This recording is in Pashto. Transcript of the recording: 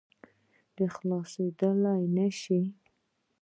خلاصېدلای نه شي.